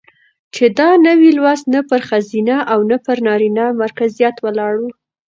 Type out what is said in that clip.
چې دا نوى لوست نه پر ښځينه او نه پر نرينه مرکزيت ولاړ و،